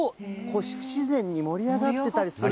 不自然に盛り上がっていたりする。